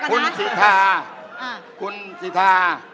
คุณสิทาคุณสิทธา